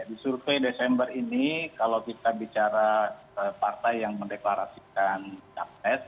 di survei desember ini kalau kita bicara partai yang mendeklarasikan capres